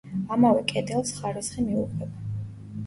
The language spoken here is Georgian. ამავე კედელს ხარისხი მიუყვება.